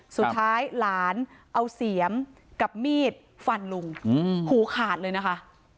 สุดท้ายหลานเอาเสียมกับมีดฟันลุงหูขาดเลยนะคะ